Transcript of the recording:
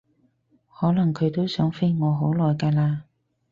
可能佢都想飛我好耐㗎喇